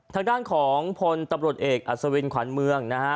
ทางด้านของพลตำรวจเอกอัศวินขวัญเมืองนะฮะ